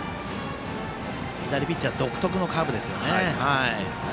左ピッチャー独特のカーブですよね。